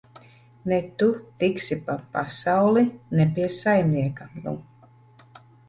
Ne tu tiksi pa pasauli, ne pie saimnieka, nu!